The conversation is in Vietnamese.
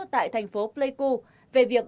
tại thành phố pleiku về việc